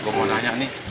gue mau tanya nih